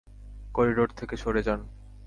Corridor থেকে সরে যান।